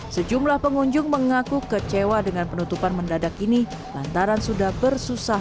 sejumlah pengunjung mengaku kecewa dengan penutupan mendadak ini lantaran sudah bersusah